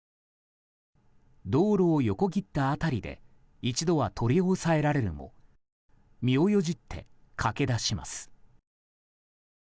道路を横切った辺りで一度は取り押さえられるも身をよじって駆けだします。